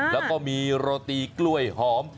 แล้วก็มีโรตีกล้วยหอม